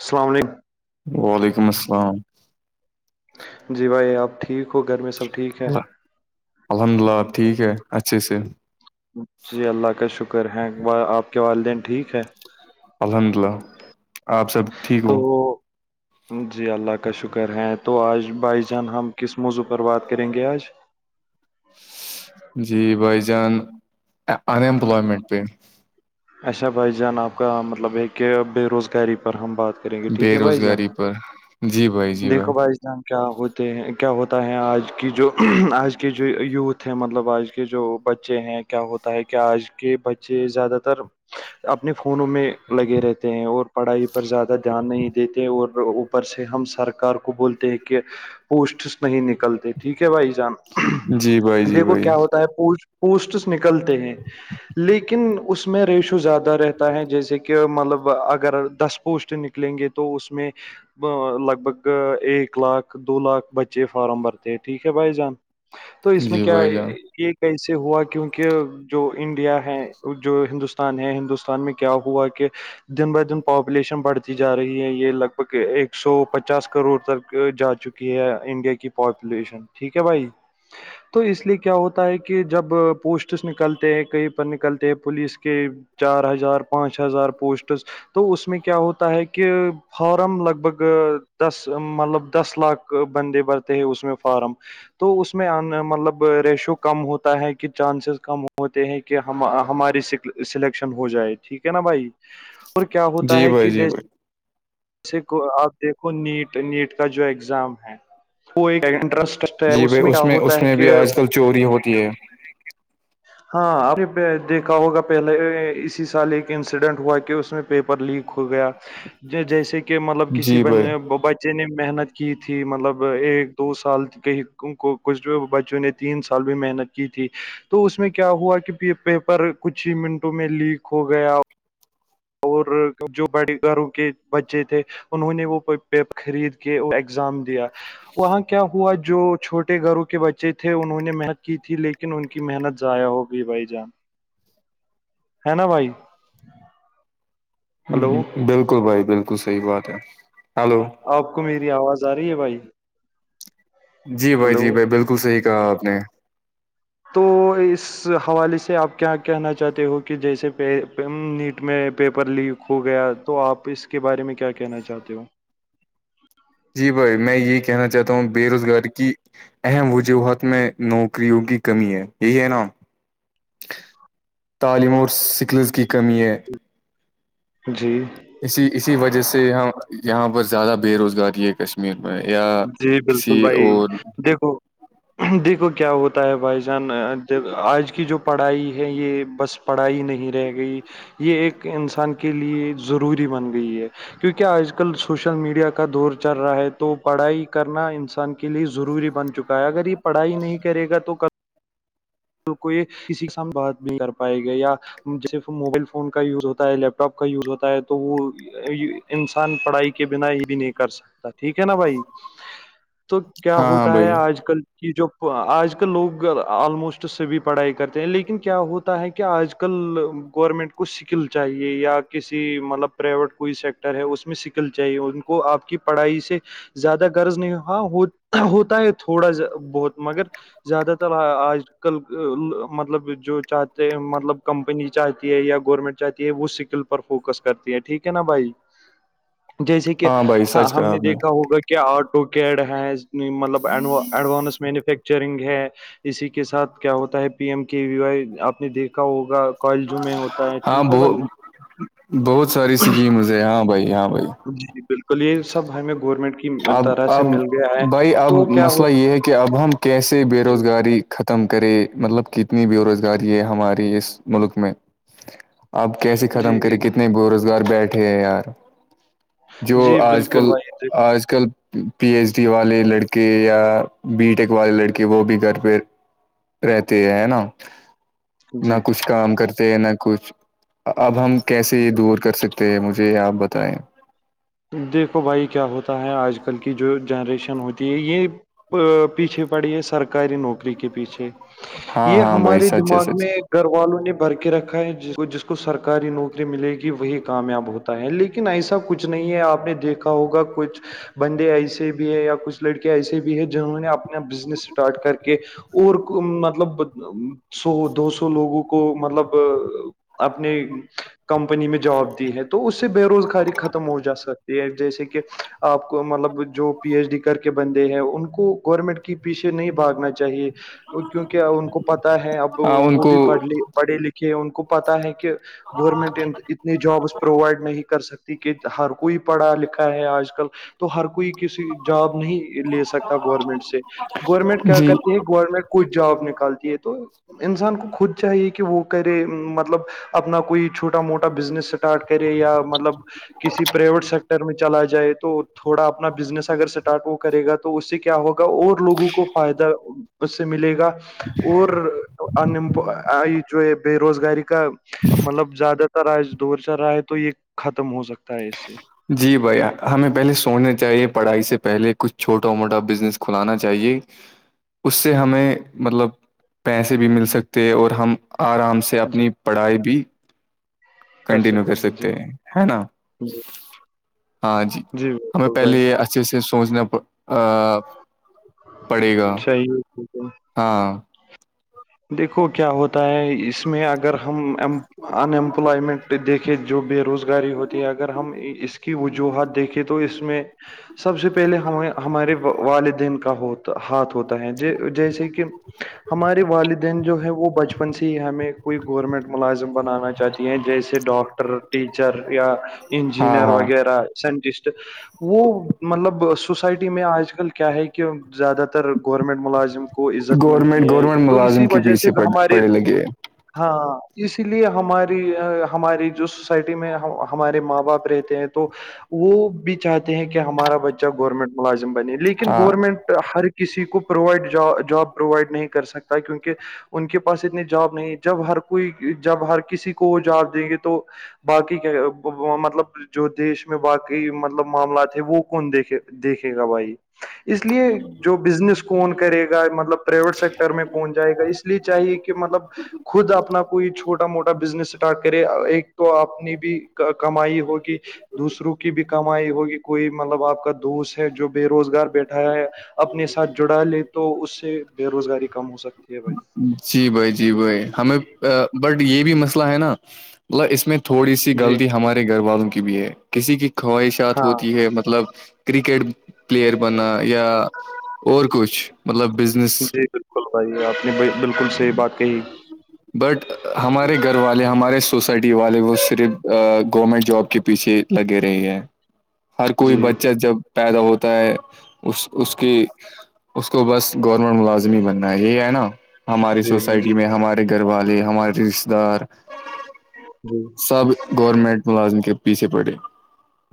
السلام علیکم وعلیکم السلام جی بھائی آپ ٹھیک ہو گھر میں سب ٹھیک ہے الحمد للہ آپ ٹھیک ہے اچھے سے جی اللہ کا شکر ہیں آپ کے والدین ٹھیک ہے الحمد للہ آپ سب ٹھیک تو ہو جی اللہ کا شکر ہے تو آج بھائی جان ہم کس موضوع پر بات کریں گے آج جی بھائی جان ان امپلائمنٹ پہ اچھا بھائی جان آپ کا مطلب یہ کہ بے روزگاری پر ہم بات کر بے روزگاری پر جی بھائی جی دیکھو بھائی کیا ہوتے ہیں کیا ہوتا ہے آج کی جو آج کے جو یوتھ ہیں مطلب آج کے جو بچے ہیں کیا ہوتا ہے کہ آج کے بچے زیادہ تر اپنے فونوں میں لگے رہتے ہیں اور پڑھائی پر زیادہ دھیان نہیں دیتے اور اوپر سے ہم سب سرکار کو بولتے ہیں کہ پوسٹس نہیں نکلتے ٹھیک ہے بھائی جان جی بھائی جی دیکھو بھائی کیا ہوتا ہے پو پوسٹس نکلتے ہیں لیکن اس میں ریشو زیادہ رہتا ہے جیسے کہ مطلب اگر دس پوسٹ نک لیں گے تو اس میں لگ بھگ ایک لاکھ دو لاکھ بچے فارم بھرتے ٹھیک ہے بھائی جان تو اس میں جی کیا بھائی جان ایک کیسے ہوا کیونکہ جو انڈیا ہے جو ہندوستان ہے ہندوستان میں کیا ہوا کہ دن بہ دن پاپولیشن بڑھتی جا رہی ہے یہ لگ بھگ ایک سو پچاس کروڑ تک جا چکی ہے انڈیا کی پاپولیشن ٹھیک ہے بھائی تو اس لیے کیا ہوتا ہے کہ جب پوسٹس نکلتے ہیں کہیں پر نکلتے ہیں پولیس کے چار ہزار پانچ ہزار پوسٹس تو اس میں کیا ہوتا ہے کہ فارم لگ بھگ دس مطلب دس لاکھ بندے برتے ہیں اس میں فارم تو اس میں مطلب ریشو کم ہوتا ہے کہ چانسز کم ہوتے ہیں کہ ہم ہماری سی سلیکشن ہو جائے ٹھیک ہے نا بھائی [inaudible] [inaudible] اور کیا ہوتا جی ہے بھائی کہ جی جیسے بھائی جسے کو آپ دیکھو نیٹ نیٹ کا جو ایگزام ہے وہ ایک انٹرسٹ ہے جی بھائی کیا اس میں ہوتا اس ہے میں بھی کہ آج کل چوری ہوتی ہے ہاں آپ نے دیکھا ہوگا پہلے اسی سال ایک انسیڈنٹ ہوا کہ اس میں پیپر لیک ہو گیا جیسے کہ مطلب کسی جی ب بھائی بچے بچے نے محنت کی تھی مطلب ایک دو سال کہ کچھ بچوں نے تین سال بھی محنت کی تھی تو اس میں کیا ہوا کہ پیپر کچھ ہی منٹوں میں لیک ہو گیا اور جو بڑے گھروں کے بچے تھے انہوں نے وہ پیپر خرید کے ایگزام دیا وہاں کیا ہوا جو چھوٹے گھروں کے بچے تھے انہوں نے محنت کی تھی لیکن لیکن ان کی محنت ضائع ہوگیی بھائی جان [inaudible] ہے نا بھائی ہلو بلکل بھائی بلکل صحیح بات ہے ہلو آپ کو میری آواز آ رہی ہے بھائی جی بھائی ہلو جی بھائی بلکل صحیح کہا آپ نے تو اس اس حوالے سے آپ کیا کہنا چاہتے ہو کہ جیسے پے نیٹ میں پیپر لیک کھو گیا تو آپ اس کے بارے میں کیا کہنا چاہتے ہو جی بھائی میں یہی کہنا چاہتا ہوں بے روزگاری کی اہم وجوہات میں نوکریوں کی کمی ہے یہی ہے نا تعلیم اور سکلز کی کمی ہے جی اسی اسی وجہ سے یہ یہاں پر زیادہ بے روزگاری ہے کش م میں یا جی کسی بالکل بھائی اور [inaudible] دیکھو دیکھو کیا ہوتا ہے بھائی جان آج کی جو پڑھائی ہے یہ بس پڑھائی نہیں رہ گئی یہ ایک انسان کے لیے ضروری بن گئی ہے کیونکہ آج کل سوشل میڈیا کا دور چل رہا ہے تو پڑھائی کرنا انسان کے لیے ضروری بن چکا ہے اگر یہ پڑھائی نہیں کرے گا تو کبھی کو یہ کسی کے سامھ بات نہیں کر پائے گا یا [unintelligible] جیسے موبائل فون کا یوز ہوتا ہے لیپ ٹاپ کا یوز ہوتا ہے تو وہ انسان پڑھائی کے بنا یہ بھی نہیں کر سکتا ٹھیک ہے نا بھائی تو کیا ہاں ہاں ہوتا ہے بھائی آج کل کہ یہ جو آج کل لوگ آلموسٹ سبھی پڑھائی کرتے ہیں لیکن کیا ہوتا ہے کہ آج کل گورنمنٹ کو سکل چاہیے یا کسی مطلب پرائیویٹ کوئی سیکٹر ہے اس میں سکل چاہیے ان کو آپ کی پڑھائی سے زیادہ غرض نہیں ہاں ہوتا ہے تھوڑا بہت مگر زیادہ تر آج مطلب جو چاہتے ہیں مطلب کمپنی چاہتی ہے یا گورنمنٹ چاہتی ہے وہ سکل پر فوکس کرتی ہے ٹھیک ہے نا بھائی بف [inaudible] جیسے کہ ہ ہم نے دیکھا ہوگا کیا آٹو کیڈ ہے مطلب ایڈ ایڈوانس مینوفیکچرنگ ہے اسی کے ساتھ کیا ہوتا ہے P M K V Y آپ نے دیکھا ہوگا کالجوں میں ہوتا ہے ہاں ٹھیک ہے بوہ بھائی بہت ساری سکیمز ہےہاں بھائی ہاں بھائی جی بلکل یہ سب ہمیں گورنمنٹ کی طرح سے اب مل گیا ہے بھائی اب تو کیا مسئلہ ہوتا یہ ہے کہ اب ہم کیسے بے جی روزگار ختم کرے مطلب کتنی بے روزگاری ہے ہماری اس ملک میں آپ کیسے جی ختم کرے کتنے بے روزگار بیٹھے ہیں یار جو جی آج بالکل کل بھائی جی آج کل پی ایچ ڈی والے لڑکے یا بی ٹیک والے لڑکے وہ بھی گھر پہ رہتی ہے ہے نا نہ جی کچھ کام کرتے نہ کچھ اب ہم کیسے یہ دور کر سک تے مجھے یہ آپ بتائیں دیکھو بھائی کیا ہوتا ہے آج کل کی جو جنریشن ہوتی ہے یہ پیچھے پڑی ہے سرکاری نوکری کے پیچھے ہاں یہ ہاں بھائی ہمارے سچ ہے دماغ میں سچ گھر والوں نے بھر کے رکھا ہے جس کو جس کو سرکاری نوکری ملے گی وہی کامیاب ہوتا ہے لیکن ایسا کچھ کچھ نہیں ہے آپ نے دیکھا ہوگا کچھ بندے ایسے بھی ہے یا کچھ لڑکے ایسے بھی ہیں جنہوں نے اپنا بزنس اسٹارٹ کر کے اور مطلب سو دو سو لوگوں کو مطلب اپنی کمپنی میں جاب دی ہے تو اس سے بے روزگاری ختم ہو جا سکتی جیسے کہ آپ کو مطلب جو پی ایچ ڈی کر کے بندے ہیں ان کو گورنمنٹ کی پیچھے نہیں بھاگنا چاہیے کیونکہ ان کو پتا ہے اب ہاں ان وہ کو بھی پڑ پڑھے لکھے ان کو پتا ہے کہ گورنمنٹ ان اتنی جابس پرووائڈ نہیں کر سکتی کہ کہ ہر کوئی پڑھا لکھا ہے آج کل تو ہر کوئی کسی جاب نہیں لے سک سکتا گورنمنٹ سے گورنمنٹ کیا جی کرتی ہے گورنمنٹ کوئی جاب نکالتی ہے تو انسان کو خود چاہیے کہ وہ کرے مطلب اپنا کوئی چھوٹا موٹا بزنس اسٹارٹ کرے یا مطلب کسی پرائیویٹ سیکٹر میں چلا جائے تو تھوڑا اپنا بزنس اگر اسٹارٹ وہ کرے گا تو اس سے کیا ہوگا اور لوگوں کو فائدہ اس سے ملے گا اور ان ایمپ جو بے روزگاری کا مطلب زیادہ تر آج دور چل رہا ہے تو یہ ختم ہو سکتا ہے اس سے جی بھائی ہمیں پہلے سوچنا چاہیے پڑھائی سے پہلے کچھ چھوٹا موٹا بزنس کھلانا چاہیے اس سے ہمیں مطلب پیسے بھی مل سکتے ہیں اور ہم آرام سے کہ جی اپنی پڑھائی بھی کنٹینیو کر سکتے ہیں ہے نا جی ہاں جی ہمیں بالکل پہلے بھائی یہ اچھے سے سوچنا پڑے گا چاہیے ہاں دیکھو کیا ہوتا ہے اس میں اگر ہم ایم ان امپلائمنٹ پہ دیکھے جو بے روزگاری ہوتی ہے اگر ہم اس کی وجوہات دیکھیں تو اس میں سب سے پہلے ہم ہمارے والدین کا ہوتا ہاتھ ہوتا تو ہیں جی جیسے کہ ہمارے والد جو ہے وہ بچپن سے ہی ہمیں کوئی گورنمنٹ ملازم بنانا چاہتی ہیں جیسے ڈاکٹر ٹیچر یا ہاں انجینئر ہاں وغیرہ سائنٹسٹ وہ مطلب سوسائٹی میں آج کل کیا ہے کہ زیادہ تر گورنمنٹ ملازم کو عزت ملتی گورنمنٹ ہے گورنمنٹ تو ملازم اسی کے وجہ سے پیچھے پڑ- ہمارے پڑے لگے ہیں۔ ہاں اسی لیے ہماری ہماری جو سوسائٹی میں ہمارے ماں باپ رہتے ہیں تو وہ بھی چاہتے ہیں کہ ہمارا بچہ گورنمنٹ ملازم بنے لیکن ہاں گورنمنٹ ہر کسی کو پرووائڈ جاب پرووائڈ نہیں کر سکتا کیونکہ کہ ان کے پاس اتنی جاب نہیں جب ہر کوئی جب ہر کسی کو وہ جاب دیں گے تو باقی کہ وہ مطلب جو دیش میں باقی مطلب معاملات ہے وہ کون دیکھے دیکھے گا بھائی اس لیے جو بزنس کون کرے گا مطلب پرائیویٹ سیکٹر میں کون جائے گا اس لیے چاہیے کہ مطلب خود اپنا کوئی چھوٹا موٹا بزنس اسٹارٹ کرے ایک تو اپنی بھی کمائی ہوگی دوسروں کی بھی کمائی ہوگی کوئی مطلب آپ کا دوست ہے جو بے روزگار بیٹھا ہے اپنے ساتھ جڑا لے تو اسے بے روزگاری کم ہو سکتی ہے بھائی جی بھائی جی بھائی ہمیں بٹ یہ بھی مسئلہ ہے نا اس میں تھوڑی سی جی غلطی ہمارے گھر والوں کی بھی ہے کسی کی خواہشات ہاں ہوتی ہے مطلب کرکٹ پلیئر بنا یا اور کچھ مطلب بزنس جی بلکل بھائی آپ نےبلکل صحیح بات کہی بٹ ہمارے گھر والے ہمارے سوسائٹی والے وہ صرف گورنمنٹ جاب کے پیچھے لگے رہی ہے ہر کوئی جی بچہ جب پیدا ہوتا ہے اس اس کی اس کو بس گورنمنٹ ملازم ہی بننا ہے یہی ہے نا ہماری جی جی سوسائٹی میں ہمارے گھر والے ہمارے رشتے دار جی سب گورنمنٹ ملازم کے پیچھے پڑے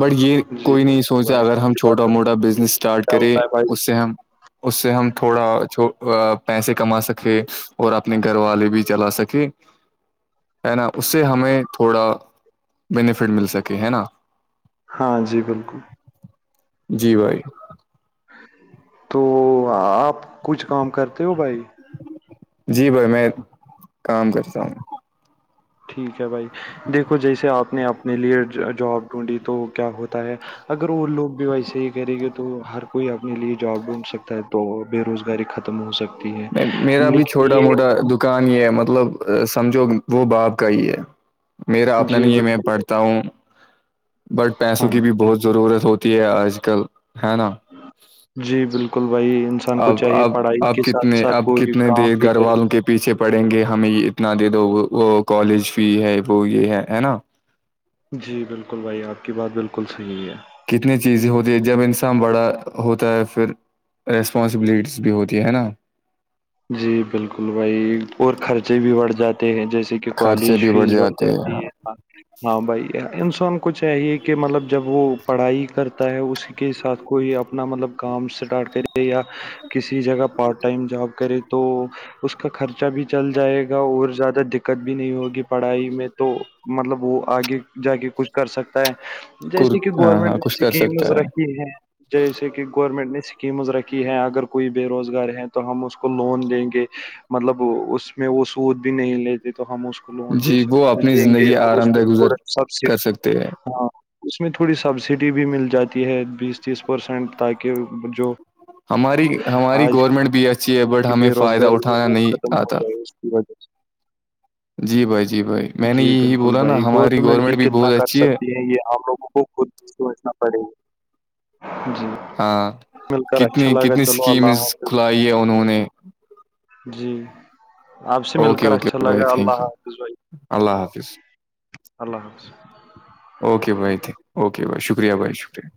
بٹ یہ جی کوئی نہیں بالکل سوچتا بھائی اگر آپ ہم کی چھوٹا بات موٹا بزنس اسٹارٹ کیا کریں ہوتا ہے بھائی اس سے ہم اس سے ہم تھوڑا پیسے کما سکتے ہیں اور اپنے گھر والے بھی چلا سکے ہے نا اس سے ہمیں تھوڑا بینیفٹ مل سکے ہے نا ہاں جی بالکل جی بھائی تو آپ کچھ کام کرتے ہو بھائی جی بھائی میں کام کرتا ہوں ٹھیک ہے بھائی دیکھو جیسے آپ نے اپنے لیے جاب ڈھونڈی تو کیا ہوتا ہے اگر وہ لوگ بھی ویسے ہی کریں گے تو ہر کوئی اپنے لیے جاب ڈھونڈ سکتا ہے تو بے روزگاری ختم ہو سک نہیں میرا بھی چھوٹا موٹا دکان یہ ہے مطلب سمجھو وہ باپ کا ہی ہے میرا اپنا جی نہیں ہے میں بالکل پڑھتا ہوں بٹ پیسوں ہاں کی بھی بہت ضرورت ہوتی ہے آج کل ہے نا جی بالکل بھائی انسان کو اب چاہیے اب پڑھائی اب کے ساتھ کتنے ساتھ اب کوئی کتنے کام دیر بھی کرے گھروال کے پیچھے پڑیں گے ہمیں اتنا دے دو وہ کالج فی ہے وہ یہ ہے ہے نا جی بالکل بھائی آپ کی بات بالکل صحیح ہے کتنی چیزیں ہوتی ہے جب انسان بڑا ہوتا ہے پھر ریسپانسبلٹیز بھی ہوتی ہے نا جی بالکل بھائی اور خرچے بھی بڑھ جاتے ہیں جیسے کہ کہ کالج خرچے بھی فیس بڑھ جاتے ہیں جاتی ہے ہاں بھائی انسان کو چاہیے کہ مطلب جب وہ پڑھائی کرتا ہے اسی کے ساتھ کوئی اپنا مطلب کام اسٹارٹ کرے یا کسی جگہ پارٹ ٹائم جاب کرے تو اس کا خرچہ بھی چل جائے گا اور زیادہ دقت بھی نہیں ہوگی پڑھائی میں تو مطلب وہ آگے جا کے کچھ کر سکتا ہے جیسے کہ گورنمنٹ نے کچھ کر سکتا اسکیمز ہے رکھی ہیں جیسے کہ گورنمنٹ نے اسکیمز رکھی ہے اگر کوئی بے روزگار ہے تو ہم اس کو کو لون دیں گے مطلب اس میں وہ سود بھی نہیں لیتے تو ہم کو لون دے جی وہ سکتے اپنی دیں گے زندگی اور اس آرام میں دہ تھوڑا گزر سبسڈی کر سکتے ہیں ہ اس میں تھوڑی سبسڈی بھی مل جاتی ہے بیس تیس پرسینٹ تاکہ جو ہماری ہماری آج گورنمنٹ بھی اچھی ہے بٹ کی ہمیں فائدہ اٹھانا نہیں آتا ودظ جی بھائی جی بھائی میں [unintelligible] نے جی یہی بالکل بولا نا بھائی ہماری گورنمنٹ بھی کتنا بہت کر اچھی سکتی ہے یہ ہم لوگوں کو خود سوچنا پڑے گا جی ہاں مل کر کتنی اچھا لگا کتنی چلو اللہ اسکیمز حافظ لائی ہے انہوں نے جی آپ سے مل اوکے کر اچھا اوکے بھائی لگا اللہ تھینک یو حافظ بھائی اللہ حافظ اللہ حافظ اوکے بھائی تھنک اوکے بھائی شکریہ بھائی شکریہ